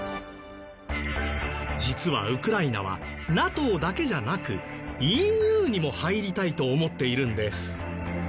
実はウクライナはＮＡＴＯだけじゃなくＥＵにも入りたいと思っているんです。